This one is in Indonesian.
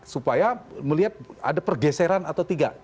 supaya melihat ada pergeseran atau tidak